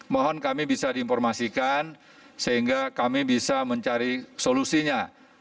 mohon kami bisa diinformasikan sehingga kami bisa mencari solusinya